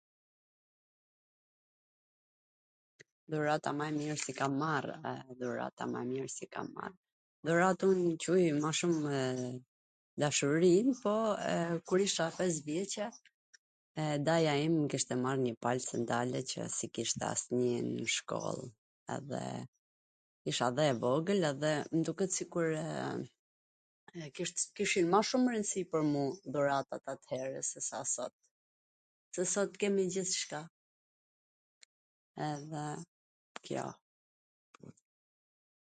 Dhurat ma e mir si kam marrw, e dhurata ma e mir si kam marr, dhurat un quj mw shumw dashurin, po kur isha pes vjeCe daja im mw kishte marr njw pal sandale qw s i kishte asnjw nw shkoll, edhe isha dhe evogwl dhe mw duket se kishin ma shum rwndsi pwr mu dhuratat atere sesa sot, se sot kemi gjithCka, edhe kjo.